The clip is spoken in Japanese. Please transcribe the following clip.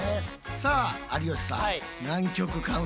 さあ有吉さん